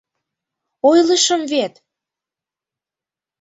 — Ойлышым вет!